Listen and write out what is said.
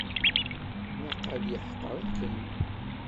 Naqal yeḥqer-ikem.